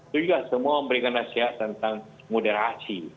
itu juga semua memberikan nasihat tentang moderasi